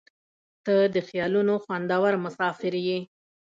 • ته د خیالونو خوندور مسافر یې.